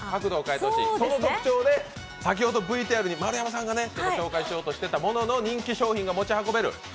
この特徴で先ほどＶＴＲに丸山さんが紹介しようとしていた人気商品が持ち運べる。